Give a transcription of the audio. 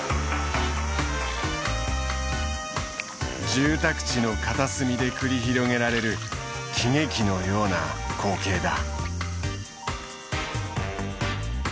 住宅地の片隅で繰り広げられる喜劇のような光景だ。